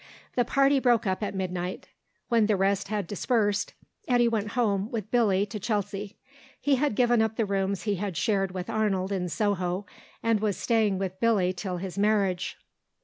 The party broke up at midnight. When the rest had dispersed, Eddy went home with Billy to Chelsea. He had given up the rooms he had shared with Arnold in Soho, and was staying with Billy till his marriage.